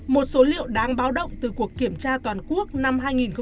một số liệu đáng báo động từ cuộc kiểm tra toàn quốc năm hai nghìn một mươi chín